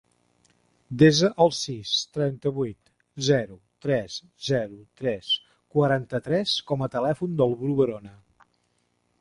Desa el sis, trenta-vuit, zero, tres, zero, tres, quaranta-tres com a telèfon del Bru Barona.